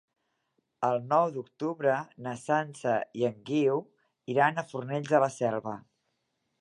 El nou d'octubre na Sança i en Guiu iran a Fornells de la Selva.